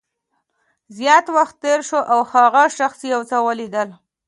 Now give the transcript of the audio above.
زیات وخت تېر شو او هغه شخص یو څه ولیدل